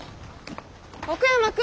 奥山君。